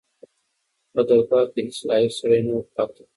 په دربار کې هیڅ لایق سړی نه و پاتې.